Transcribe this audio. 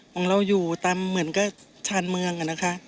ของเราอยู่ตามเหมือนกับชานเมืองนะคะ